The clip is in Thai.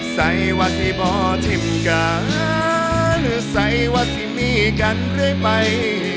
ใส่ว่าสี่บ่ทิมการใส่ว่าสี่มีกันเรื่อยไป